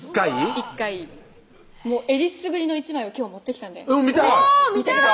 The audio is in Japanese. １回えりすぐりの１枚を今日持ってきたんで見たい！